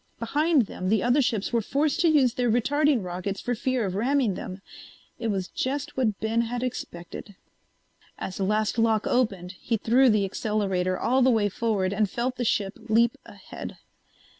Behind them the other ships were forced to use their retarding rockets for fear of ramming them. It was just what Ben had expected. As the last lock opened he threw the accelerator all the way forward and felt the ship leap ahead.